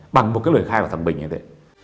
bằng một cái lời khai của thằng bình như thế